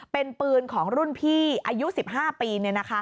เป็นปืนของรุ่นพี่อายุ๑๕ปี